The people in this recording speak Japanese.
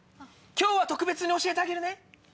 今日は特別に教えてあげるね。